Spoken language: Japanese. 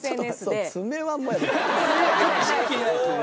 こっちが気になるんすね。